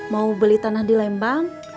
mau beli tanah di lembang